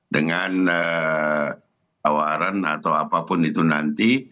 dengan tawaran atau apapun itu nanti